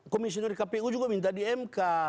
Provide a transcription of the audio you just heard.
komisioner kpu juga minta di mk